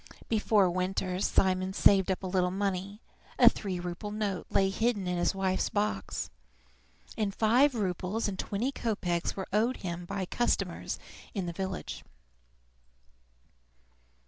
Before winter Simon saved up a little money: a three rouble note lay hidden in his wife's box, and five roubles and twenty kopeks were owed him by customers in the village.